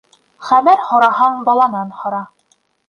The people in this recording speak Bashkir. Хәбәр һораһаң, баланан һора.